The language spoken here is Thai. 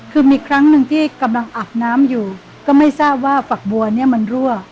คือมีครั้งหนึ่งที่กำลังอาบน้ำอยู่ก็ไม่ทราบว่าฝักบัวเนี่ยมันรั่ว